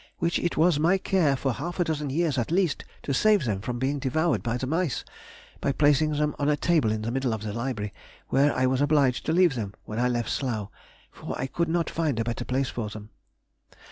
which it was my care, for half a dozen years at least, to save them from being devoured by the mice, by placing them on a table in the middle of the library, where I was obliged to leave them when I left Slough, for I could not find a better place for them.